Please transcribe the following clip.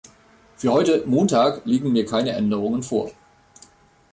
Für heute - Montag - liegen mir keine Änderungen vor.